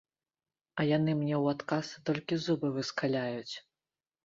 А яны мне ў адказ толькі зубы выскаляюць.